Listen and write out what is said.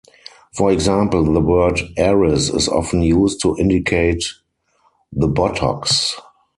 For example, the word "Aris" is often used to indicate the buttocks.